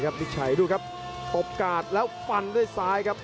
วิชัยดูครับตบกาดแล้วฟันด้วยซ้ายครับ